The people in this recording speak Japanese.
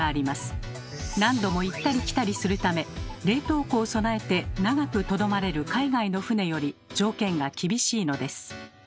何度も行ったり来たりするため冷凍庫を備えて長くとどまれる海外の船より条件が厳しいのです。